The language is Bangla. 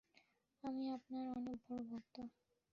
আমি আপনার অনেক বড় ভক্ত।